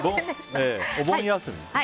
お盆休みですね。